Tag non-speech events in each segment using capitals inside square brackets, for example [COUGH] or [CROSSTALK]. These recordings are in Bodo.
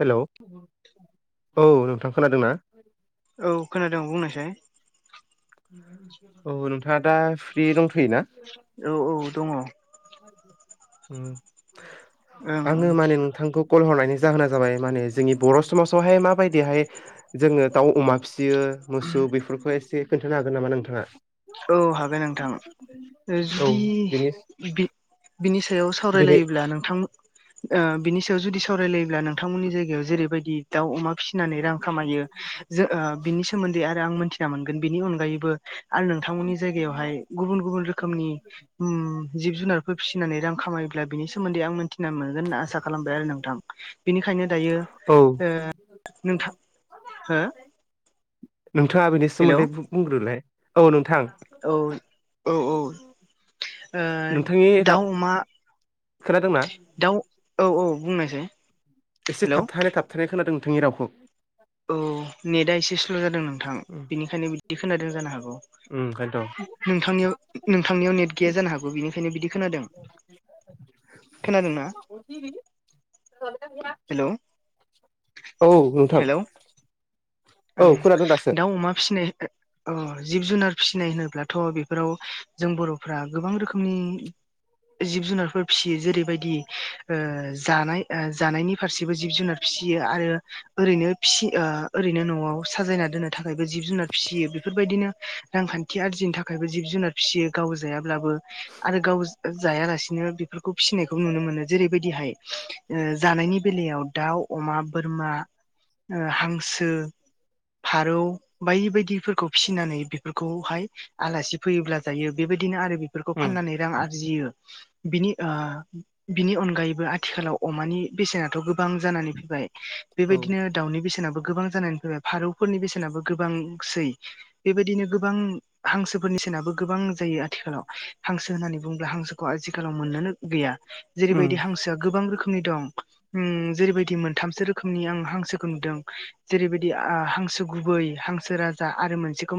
हेल' औ नोंथां खोनादोंना? औ खोनादों बुंनायसाय औ नोंथाङा दा फ्रि दंथयोना? औ औ दङ ओं आङो ओं माने नोंथांखौ कल हरनायनि जाहोना जाबाय माने जोंनि बर' समाजावहाय माबायदिहाय जोङो दाउ अमा फि फिसियो मोसौ बेफोरखौ एसे खोन्थानो हागोन नामा नोंथाङा? औ हागोन नोंथां औ जुदि बेनि बिनि सायाव बेनि सावरायलायोब्ला नोंथांमोन बिनि सायाव जुदि सावरायलायोब्ला नोंथांमोननि जायगायाव जेरैबायदि दाउ अमा फिसि नानै रां खामायो बिनि सोमोन्दै आरो आं मोनथिना मोनगोन बिनि अनगायैबो नोंथांमोननि जायगायावहाय गुबुन गुबुन रोखोमनि जिब जुनारफोर फिसिनानै रां खामायोब्ला बिनि सोमोन्दै आं मिथिना मोनगोना आसा खालामबाय आरो नोंथां बेनिखायनो दायो औ नोंथां हा नोंथाङा बेनि सोमोन्दै बुंग्रोलाय औ नोंथां औ औ औ नोंथांनि राव दाउ अमा खोनादोंना? दाउ औ औ बुंनोसै एसे थाबथानानै थाबथानाय खोनादों नोंथांनि रावखौ औ नेटआ एसे स्ल' जादों नोंथां उम बेनिखायनो बिदि खोनादों जानो हागौ। [INAUDIBLE] नोंथांनियाव नोंथांनियाव नेट गैया जानो हागौ बिनिखायनो बिदि खोनादों खोनादोंना? [UNINTELLIGIBLE] [UNINTELLIGIBLE] हेलौ औ नोंथां हेलौ औ ओं खोनादों दासो दाउ अमा फिसिनाय अ जिब जुनार फिसिनाय होनोब्लाथ' बेफोराव जों बर'फ्रा गोबां रोखोमनि जिब जुनारफोर फिसियो जेरैबायदि ओ जानाय ओ जानायनि फारसेबो जिब जुनार फिसियो आरो ओरैनो फिसि ओ ओरैनो न'आव साजायना दोननो थाखायबो जिब जुनार फिसियो बेफोरबायदिनो रांखान्थि आरजिनि थाखायबो जिब जुनार फियो गाव जायाब्लाबो आरो गाव जायालासिनो बेफोरखौ फिसिनायखौ नुनो मोनो जेरैबायदिहाय जानायनि बेलायाव दाउ अमा बोरमा हां गसो फारौ बायदि बायदिफोरखौ फिसिनानै बेफोरखौहाय आलासि फैयोब्ला जायो बेबायदिनो आरो बेफोरखौ उम फाननानै रां आरजियो। बिनि ओ बिनि अनगायैबो आथिखालाव अमानि बेसेनाथ' गोबां जानानै फैबाय। औ बेबायदिनो दाउनि बेसेनाबो गोबां जानानै फैबाय फारौफोरनि बेसेनाबो गोबांसै। बेबायदिनो गोबां हांसोफोरनि सेनाबो गोबां जायो आथिखालाव हांसो होननानै बुङोब्ला हांसोखौ आथिखालाव मोननोनो गैया। उम जेरैबायदि हांसोआ गोबां रोखोमनि दं उम जेरैबायदि मोनथामसो रोखोमनि आं हांसोखौ नुदों। जेरैबायदि आ हांसो गुबै हांसो राजा आरो मोनसेखौ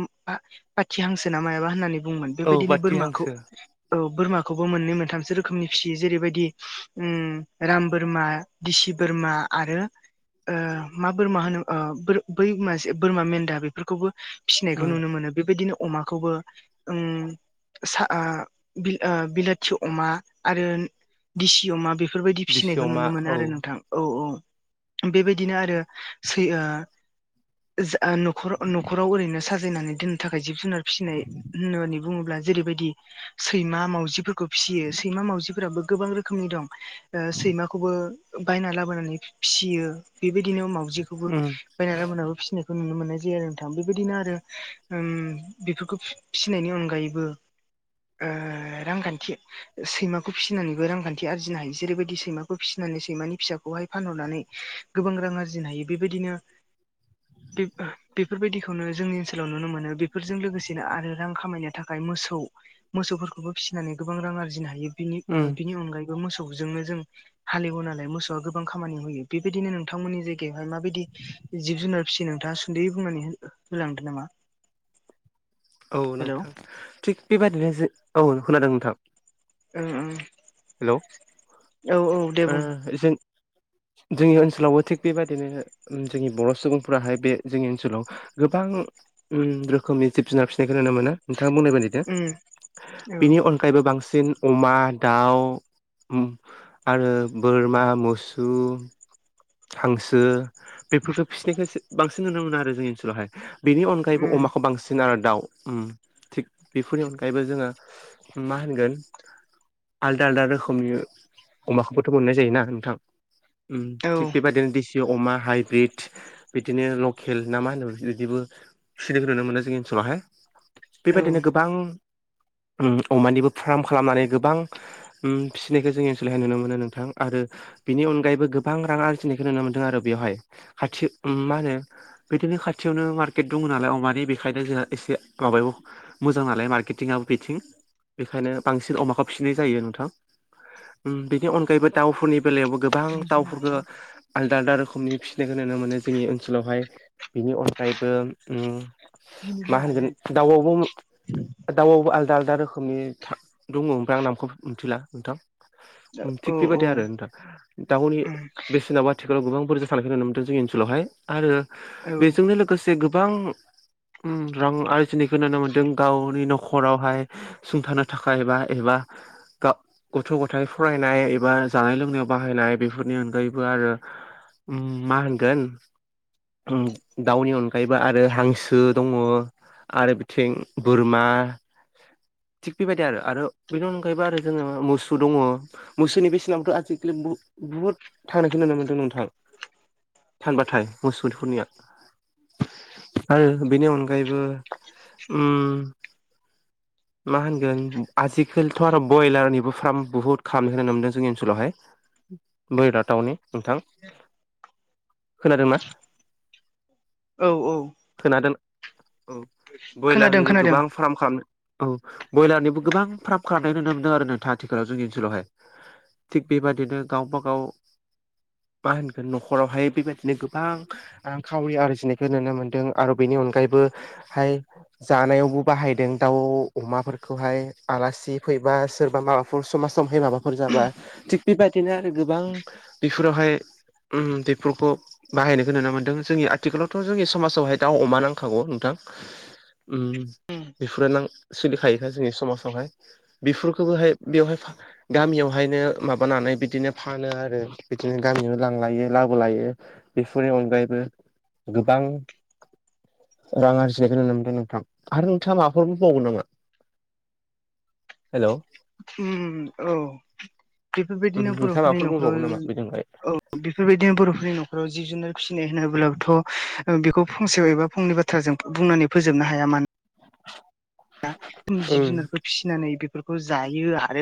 खाथिहांसोना मायाबा होननानै बुंङोमोन औ बेबायदिनो बाथि बोरमाखौ हांसो औ बोरमाखौबो मोननै मोनथामसो रोखोमनि फिसियो जेरैबायदि उम राम बोरमा दिसि बोरमा आरो ओ मा बोरमा होनो ओ फोर बै मासे बोरमा मेन्दा बेफोरखौबो फिसिनायखौ उम नुनो मोनो बेबायदिनो अमाखौबो ओम सा ओ बिल ओ बिलाथि अमा आरो दिसि अमा बे फोरबायदि फिसिनायखौ दिसियाव मा नुनो मोनो औ आरो नोंथां औ औ बेबायदिनो आरो सै ओ ओस ओ न'खर न'खराव ओरैनो साजायनानै दोननो थाखाय जिब जुनार फिसिनाय होननानै बुङोब्ला जेरैबायदि सैमा मावजिफोरखौ फिसियो सैमा मावजिफोराबो गोबां रोखोमनि दं। ओ सैमाखौबो बायना लाबोनानै फिसियो बेबायदिनो मावाउजिखौबो उम बायना लाला मोनाबो फिसिनायखौ नुनो मोननाय जायो आरो नोंथां बेबायदिनो आरो ओम बेफोरखौ फिसिनायनि अनगायैबो ओ रांखान्थि सैमाखौ फिसिनानैबो रांखान्थि आरजिनो हायो जेरैबायदि सैमा खौ फिसिनानै सैमानि फिसाखौहाय फानहरनानै गोबां रां आरजिनो हायो बेबायदिनो [INAUDIBLE] बेफ-बेफोरबायदिखौनो जोंनि ओनसोलाव नुनो मोनो बेफोरजों लोगोसेनो आरो रां खामायनो थाखाय मोसौ मोसौफोरखौबो फिसिनानै गोबां रां आरजिनो हायो बिनि ओ उम बिनि अनगायै बो मोसौजोंनो जों हालेवो नालाय मोसौआ गोबां खामानि होयो बेबायदिनो नोंथांमोननि जायगायाव ओ माबायदि जिब जुनार फिसियो नोंथाङा सुन्दुयै बुंनानै होलांदों नामा। औ हेलौ नोंथां थिग बेबायदिनो जो औ खोनादों नोंथां। ओं ओं। हेलौ औ औ दे ओ बुं जों जोंनि ओनसोलावबो थिग बेबायदिनो जोंनि बर' सुबुंफोराहाय बे जोंनि ओनसोलाव गोबां ओम रोखोमनि जिब जुनार फिसिनायखौ नुनो मोनो नोंथाङा बुंनाय बादि नो उम औ बिनि अनगायैबो बांसिन अमा दाउ खौ उम आरो बोरमा मोसु हांसो बेफोरखौ फिसिनायखौ जो बांसिन नुनो मोनो आरो जोंनि ओनसोलावहाय। बेनि अनगायैबो उम अमाखौ बांसिन आरो दाउ उम थिग बेफोरनि अनगायैबो जोङो मा होनगोन आलदा आलदा रोखोमनि अमाखौबोथ' मोननाय जायोना नोंथां उम औ थिग बेबदिनो दिसि अमा हाइब्रिद बिदिनो लखेल ना मा होनो बिदिबो [UNINTELLIGIBLE] नुनो मोनो जोंनि ओनसोलावहाय औ बेबायदिनो गोबां उम अमानिबो फार्म खालामनानै गोबां उम फिसिनायखौ जोंनि ओनसोलावहाय नुनो मोनो नोंथां आरो बिनि अनगायैबो गो गोबां रां आरजिनायखौ नुनो मोन्दों आरो बेवहाय खाथि उम मा होनो बिदिनो खाथियावनो मार्केट दङ नालाय अमानि बेखायनो जोंहा एसे माबायाव मोजां नालाय मार्केटिंआबो बिथिं बेखायनो बांसिन अमाखौ फिसिनाय जायो नोंथां उम बेनि अनगायैबो दाउफोरनि बेलायावबो गोबां दाउफोरखो आलदा आलदा रोखोमनि फिसिनायखौ नुनो मोनो जोंनि ओनसोलावहाय बिनि अनगायैबो उम मा होनगोन दाउआवबो दाउआवबो आलदा आलदा रोखोमनि था दङ ओमफ्राय आं नामखौ मिथिला नोंथां। उम थिग बेबादि आरो नोंथां। दाउनि बेसेनाव आथिखालाव गोबां बुरजा सानायखौ नुनो मोनदों जोंनि ओनसोलावहाय आरो औ बेजोंनो लोगोसे गोबां उम रां आरजिनायखौ नुनो मोन्दों गावनि न'खरावहाय सुंथानो थाखायबा एबा गा गथ' गथाय फरायनाय एबा जानाय लोंनायाव बाहायनाय बेफोरनि अनगायैबो आरो उम मा होनगोन उम दाउनि अनगायैबो आरो हांसो दङ। आरो बिथिं बोरमा थिग बेबायदि आरो आरो बेनि अनगायैबो आरो जोङो मोसौ दङ मोसोनि बेसेनाबोथ'आजिखालि बु बुहुद थांनायखौ नुनो मोन्दों नोंथां फानबाथाय मोसौफोरनिया आरो बेनि अनगायैबो मा होनगोन आजिखालिथ' आरो ब्रयलारनिबो फार्म बुहुत खालामनो मोनदों जोंनि ओनसोलावहाय बोरराथावनि नोंथां खोनादोंना औ औ खोना दोन औ खोनादों ब्रयलारनिबो खोनादों गोबां फार्म खालामदों औ ब्रयलारनिबो गोबां फार्म खालामनाय नुनो मोनदों आरो नोंथां आथिखालाव जोंनि ओनसोलावहाय थिग बेबादिनो गावबा गाव मा होनगोन न'खरावहाय बेबायदिनो गोबां रांखावरि आरजिनायखौ नुनो मोन्दों आरो बेनि अनगायैबो हाय जानायावबो बाहायदों दाउ अमाफोरखौहाय आलासि फैबा सोरबा माबाफोर समाज समहाय माबाफोर जाबा थिग बेबायदिनो आरो गोबां बेफोरावहाय उम बेफोरखौ बाहायनायखौ नुनो मोनदों जोंनि आथिखालावथ' जोंनि समाजावहाय दाउ अमा नांखागौ नोंथां उम बेफोर नां सोलिखायोखा जोंनि समाजावहाय बेफोरखौबोहाय बेवहाय गामियावहायनो माबानानै बिदिनो फानो आरो बिदिनो गामियाव लांलायो लाबोलायो बेफोरनि अनगायैबो गोबां रां आरजिनायखौ नुनो मोनदों नोंथां आरो नोंथाङा माबाफोर बुंबावगोन नामा? हेल' ओ औ बेफोरबायदिनो नोंथाङा बर'फोरनि माबाफोर न'खराव बुंबावगोन नामा बेनि अनगायै औ बेफोरबायदिनो बर'फोरनि न'खराव जिब जुनार फिसिनाय होनोब्लाथ' बेखौ फंसेयाव एबा फुंनि बाथ बाथ्राजों बुंनानै फोजोबनो हाया मानो जिब उम जुनारखौ फिसिनानै बेफोरखौ जायो आरो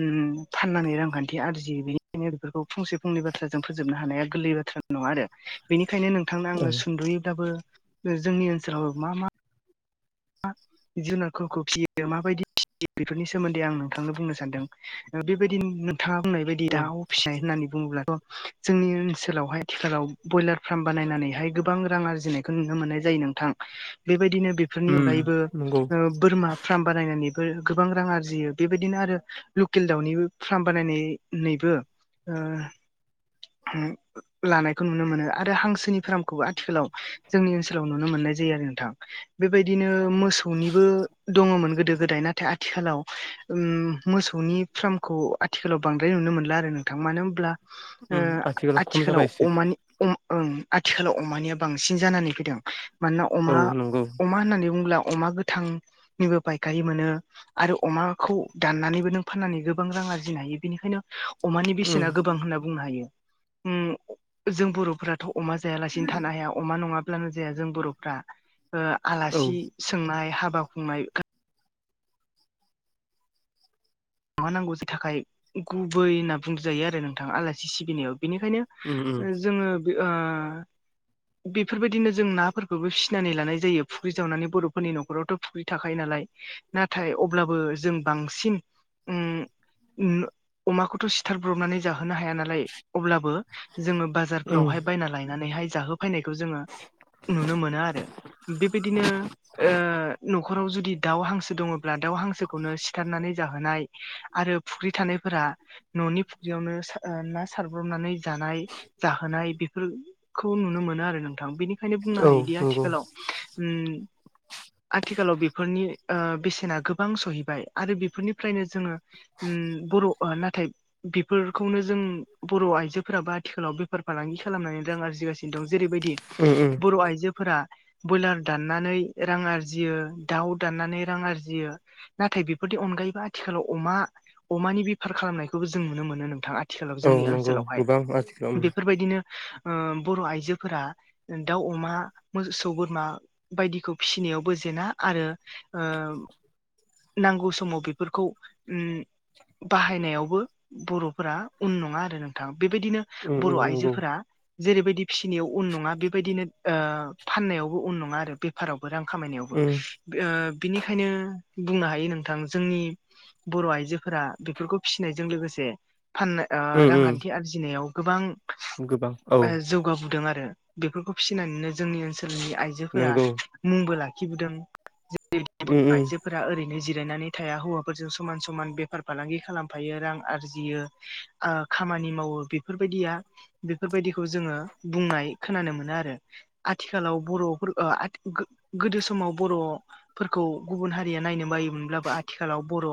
उम फाननानै रांखान्थि आरजियो बेनिखायनो बेफोरखौ फंसे फंनै बाथ्राजों फोजोबनो हानाया गोरलै बाथ्रा नङा आरो बेनिखायनो नोंथांनो औ आङो सुद'यैब्लाबो जोंनि ओनसोलाव मा मा जुनारफोरखौ फिसियो माबायदि बेफोरनि सोमोन्दै आं नोंथांनो बुंनो सानदों बेबायदि नोंथाङा बुंनाय बायदि उम दाउ फिसाय होननानै बुङोब्लाथ' जोंनि ओनसोलावहाय आथिखालाव ब्रयलार फार्म बानायनानैहाय गोबां रां आरजिनायखौ नुनो मोननाय जायो नोंथां बेबायदिनो बेफोरनि उम अनगायैबो नंगौ बोरमा फार्म बानायनानैबो गोबां रां आरजियो बेबायदिनो आरो लकेल दाउनि फार्म बानायनानैबो ओ लानायखौ नुनो मोनो आरो हांसोनि फार्मखौबो आथिखालाव जोंनि ओनसोलाव नुनो मोननाय जायो आरो नोंथां बेबायदिनो मोसौनिबो दङमोन गोदो गोदाय नाथाय आथिखालाव ओम मोसौनि फार्मखौ आथिखालाव बांद्राय नुनो मोनला आरो नोंथां मानो होमब्ला ओ उम खम आथिखालाव जाबाय एसे अमानि ओम ओं आथिखालाव अमानिया बांसिन जानानै फैदों मानोना औ अमा नंगौ अमा होननानै बुङोब्ला अमा गोथांनिबो फायखारि मोनो आरो अमाखौ दाननानैबो नों फाननानै गोबां रां आरजिनो हायो बेनिखायनो अमानि उम बेसेना गोबां होनना बुंनो हायो उम जों बर'फोरा थ' अमा जायालासिनो थानो हाया अमा नङाब्लानो जाया जों बर'फ्रा ओ औ आलासि सोंनाय हाबा खुंनाय माबा नांगौनि थाखाय गुबै होनना बुंजायो आरो नोंथां आलासि सिबिनायाव बिनिखायनो उम उम जोङो ओ बेफोरबायदिनो जों नाफोरखौबो फिनानै लानाय जायो फुख्रि जावनानै बर'फोरनि न'खरावथ' फुख्रि थाखायो नालाय नाथाय अब्लाबो जों बांसिन ओ अमाखौथ' सिथारब्रबनानै जाहोनो हाया ना लाय अब्लाबो जोङो उम बाजारफोरावहाय बायना लायनानैहाय जाहो फैनायखौ जोङो नुनो मोनो आरो बेबायदिनो ओ न'खराव जुदि दाउ हांसो दङब्ला दाउ हांसोखौनो सिथारनानै जाहोनाय आरो फुख्रि थानायफोरा न'नि फुक्रियावनो सा ओ ना सारब्रबनानै जानाय जाहोनाय बेफोर खौ नुनो मोनो आरो नोंथां बेनिखायनो बुंनो औ हायोदि नंगौ आथिखालाव ओम आथिखालाव बेफोरनि ओ बेसेना गोबां सहैबाय आरो बेफोरनिफ्रायनो जोङो ओम बर' नाथाय बेफोरखौनो जों बर' आइजोफोराबो आथिखालाव बेफार फालांगि खालामनानै रां आरजिगासिनो दं जेरैबायदि उम उम बर' आइजोफोरा बयलार दाननानै रां आरजियो दाउ दाननानै रां आरजियो नाथाय बेफोरनि अनगायैबो आथिखालाव अमा अमानि बेफार खालामनायखौबो जों नुनो मोनो नोंथां आ थिखालाव औ जोंनि नंगौ ओनसोलावहाय गोबां आथिखालाव बेफोरबायदिनो ओ बर' आइजोफोरा दाउ अमा मोसौ बोरमा बायदिखौ फिसिनायावबो जेना आरो ओ नांगौ समाव बेफोरखौ उम बाहायनायावबो बर'फोरा उन नङा आरो नोंथां बेबायदिनो उम बर' उम नंगौ आइजोफोरा जेरैबायदि फिसिनायाव उन नङा बेबायदिनो ओ फाननायावबो उन नङा आरो बे फारावबो रां खामायनायावबो उम ओ बिनिखायनो बुंनो हायो नोंथां जोंनि बर' आइजोफोरा बेफोरखौ फिसिनायजों लोगोसे फाननो ओ उम उम रांखान्थि आरजिनायाव गोबां गोबां औ ओ जौगाबोदों आरो बेफोरखौ फिसिनानैनो जोंनि ओनसोलनि आइजोफोरा नंगौ मुंबो लाखिबोदों [UNINTELLIGIBLE] उम बर' उम आइजोफोरा ओरैनो जिरायनानै थाया हौवा फोरजों समान समान बेफार फालांगि खालामफायो रां आरजियो ओ खामानि मावो बे फोरबायदिया बेफोरबायदिखौ जोङो बुंनाय खोनानो मोनो आरो आथिखालाव बर'फोर ओ [UNINTELLIGIBLE] गोदो समाव बर' फोरखौ गुबुन हारिया नायनो बायोमोनब्लाबो आथिखालाव बर'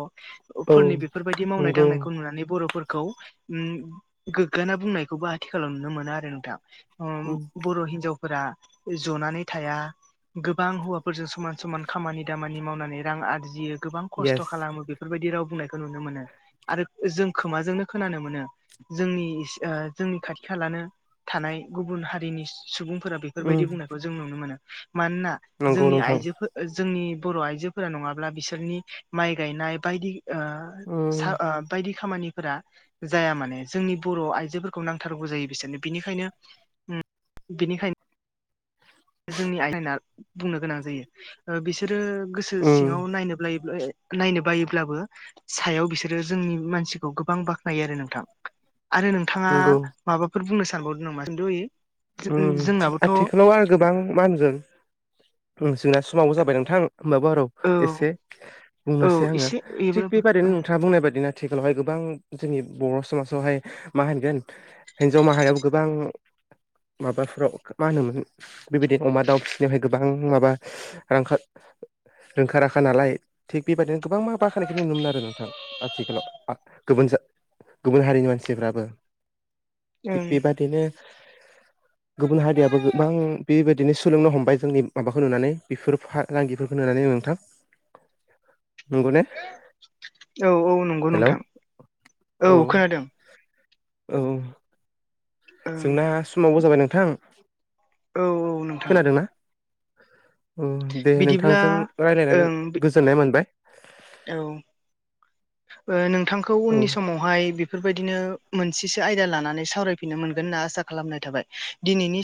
औ फोरनि बेफोरबायदि मावनाय नंगौ दांनायखौ नुनानै बर'फोरखौ ओम गोग्गाना बुंनायखौबो आथिखालाव नुनो मोनो आरो नोंथां ओम उम बर' हिनजाव फोरा जनानै थाया गोबां हौवाफोरजों समान समान खामानि दामानि मावनानै रां आरजियो गोबां खस येस [UNINTELLIGIBLE] बेफोरबायदि राव बुंनायखौ नुनो मोनो आरो जों खोमाजोंनो खोनानो मोनो जोंनि ओ जोंनि खाथि खालानो थानाय गुबुन हारिनिस सुबुंफोरा उम बेफोरबायदि बुंनायखौ जों नुनो मोनो मानोना नंगौ जोंनि नोंथां आइजोफोर जोंनि बर' आइजोफोरा नङाब्ला बिसोरनि माइ गायनाय बायदि उम बायदि खामानि फोरा जाया माने जोंनि बर' आइजोफोरखौ नांथारगौ जायो बिसोरनो बिनिखायनो ओम बिनिखायनो जोंनि आयना बुंनो गोनां जायो ओ बिसोरो गोसो उम सिङाव नायनो [UNINTELLIGIBLE] नायनो बायोब्लाबो सायाव बिसोरो जोंनि मानसिखौ गोबां बाख्नायो आरो नोंथां आरो नों नोंथाङा नंगौ माबाफोर बुंनो सानबावदों नामा खिन्थु आथिखालाव आरो गोबां मा होनदों जोंना समावबो जाबाय नोंथां होमबाबो र औ एसे औ बुंनोसै आङो एसे थिग एब्लाबो बेबादैनो ओं खोथा बुंनाय बायदिनो आथिखालावहाय गोबां जोंनि बर' समाजावहाय मा होनगोन हिन्जाव माहारियाबो गोबां माबाफ्राव मा होनोमोन बेबायदिनो अमा दाउ फिसिनायावहाय गोबां माबा रां रोंखा राखा नालाय थिग बेबायदिनो गोबां मा बाखानायखौ नुनो मोन आरो नोंथां आथिखालाव गुबन गुबुन हारिनि मानसिफ्राबो थिख ओं बिबादि नो गुबुन हारियाबो गोबां बेबायदिनो सोलोंनो हमबाय जोंनि माबाखौ नुनानै बेफोर रांगिफोरखौ नुनानै नोंथां नंगौ ने औ औ नंगौ हेलौ नोंथां औ खोनादों औ ओं जोंना समावबो जाबाय नोंथां औ औ नोंथां खोनादोंना दे बिदिब्ला नोंथांजों रायलायनानै ओं गोजोननाय मोनबाय औ नोंथांखौ औ उननि समाव बेहाय बेफोरबायदिनो मोनसेसो आयदा लानानै सावरायफिनो मोनगोन होनना आसा खालामनाय थाबाय दिनैनि